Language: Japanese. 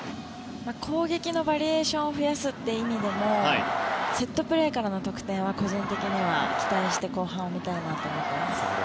攻撃のバリエーションを増やすという意味でもセットプレーからの得点には個人的に期待して後半を見たいなと思います。